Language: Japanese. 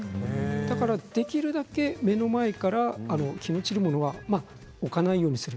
だから、できるだけ目の前から気の散るものは置かないようにする。